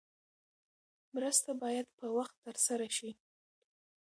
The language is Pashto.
مرسته باید په وخت ترسره شي.